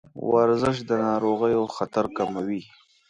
ورزش د ناروغیو خطر کموي.